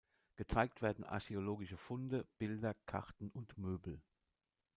Gezeigt werden archäologische Funde, Bilder, Karten und Möbel.